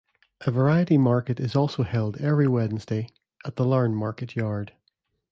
A variety market is also held every Wednesday at the Larne Market Yard.